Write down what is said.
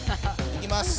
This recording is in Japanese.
いきます！